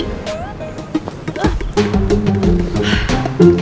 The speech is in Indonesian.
bukan urusan lo juga kali